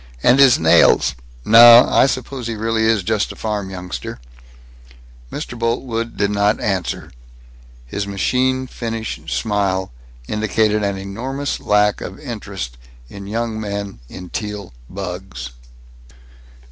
And his nails No, I suppose he really is just a farm youngster." Mr. Boltwood did not answer. His machine finish smile indicated an enormous lack of interest in young men in Teal bugs.